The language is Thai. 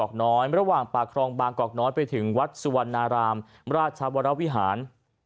และคลองบางกอกน้อยระหว่างปากคลองบางกอกน้อยไปถึงวัดสุวรรณารามราชวรรณวิหาร